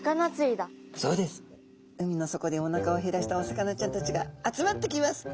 海の底でおなかを減らしたお魚ちゃんたちが集まってきます。